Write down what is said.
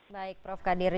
baik prof kadir